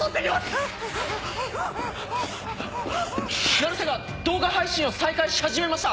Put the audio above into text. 成瀬が動画配信を再開し始めました！